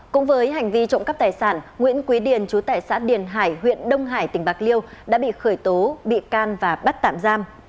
cũng với hành vi trộm cắp tài sản nguyễn quý điền chú tại xã điền hải huyện đông hải tỉnh bạc liêu đã bị khởi tố bị can và bắt tạm giam